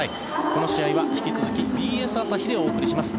この試合は引き続きＢＳ朝日でお送りします。